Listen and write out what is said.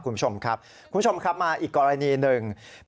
คุณผู้ชมครับคุณผู้ชมครับมาอีกกรณีหนึ่ง